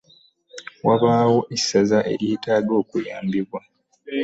Wabaawo essaza eryetaaga okuyambibwa.